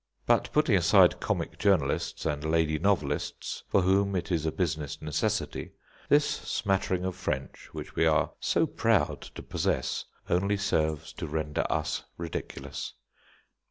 But putting aside comic journalists and lady novelists, for whom it is a business necessity, this smattering of French which we are so proud to possess only serves to render us ridiculous.